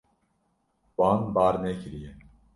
Wan bar nekiriye.